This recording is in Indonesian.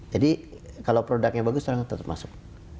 jadi kalau produknya bagus tolong tetap masuk